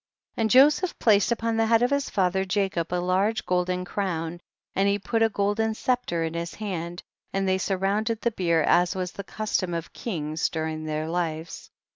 37. And Joseph placed upon the head of his father Jacob a large gold en crown, and he put a golden scep tre in his hand, and they surrounded the bier as was the custom of kings during their lives.